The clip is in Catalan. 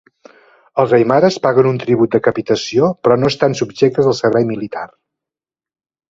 Els aimares paguen un tribut de capitació, però no estan subjectes al servei militar.